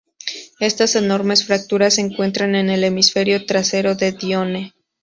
Estas enormes fracturas se encuentran en el hemisferio trasero de Dione.